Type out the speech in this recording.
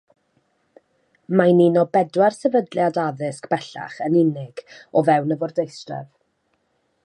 Mae'n un o bedwar sefydliad addysg bellach yn unig o fewn y fwrdeistref.